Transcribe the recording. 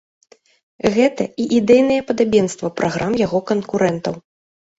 Гэта і ідэйнае падабенства праграм яго канкурэнтаў.